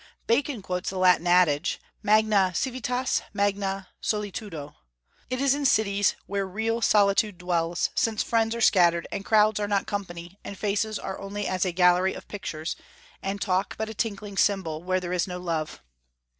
Bacon quotes the Latin adage, Magna civitas, magna solitudo. It is in cities where real solitude dwells, since friends are scattered, "and crowds are not company, and faces are only as a gallery of pictures, and talk but a tinkling cymbal, where there is no love."